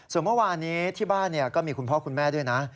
ส่วนเมื่อวานนี้ที่บ้านก็มีคุณพ่อคุณแม่ด้วยนะ